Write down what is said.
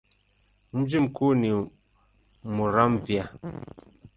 Mji mkuu ni Muramvya.